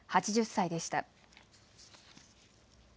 ８０歳でした。